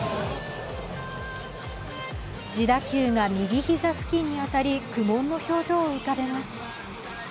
自打球が、右膝付近に当たり苦もんの表情を浮かべます。